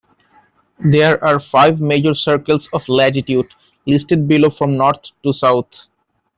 There are five major circles of latitude, listed below from north to south.